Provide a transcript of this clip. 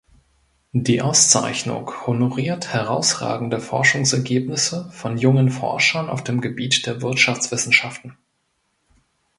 Diese Auszeichnung honoriert herausragende Forschungsergebnisse von jungen Forschern auf dem Gebiet der Wirtschaftswissenschaften.